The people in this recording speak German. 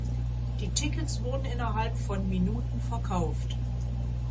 Die Tickets wurden innerhalb von Minuten verkauft.